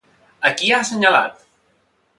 A qui ha assenyalat?